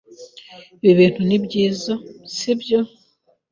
Ibi ni ibintu byiza, sibyo?